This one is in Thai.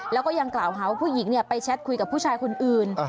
แล้วก็ยังกล่าวหาว่าผู้หญิงไปแชทคุยกับผู้ชายคนอื่น